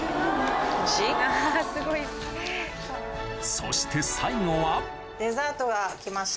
そして最後は・何？